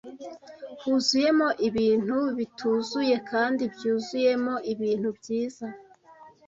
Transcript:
Huzuyemo ibintu bituzuye kandi byuzuyemo ibintu byiza,